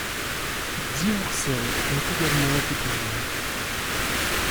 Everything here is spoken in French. Dix hors-série ont également été publiés.